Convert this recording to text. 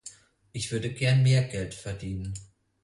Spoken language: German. Ich würde gerne mehr Geld verdienen.